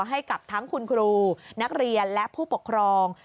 ให้กับทั้งคุณครูนักเรียนและผู้ปกครอง